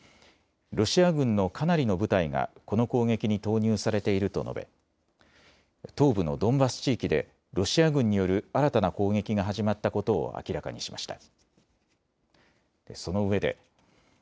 ロシア軍のかなりの部隊がこの攻撃に投入されていると述べ東部のドンバス地域でロシア軍による新たな攻撃が始まったことを明らかにしました。